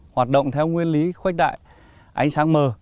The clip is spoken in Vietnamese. hoạt động theo nguyên lý khuếch đại ánh sáng mờ